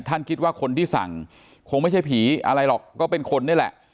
คิดว่าคนที่สั่งคงไม่ใช่ผีอะไรหรอกก็เป็นคนนี่แหละ